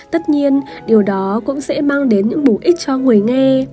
tất nhiên điều đó cũng sẽ mang đến những bổ ích cho người nghe